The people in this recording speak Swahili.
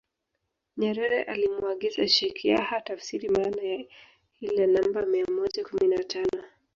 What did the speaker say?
Nyerere alimuagiza Sheikh Yahya atafsiri maana ya ile namba mia moja kumi na tano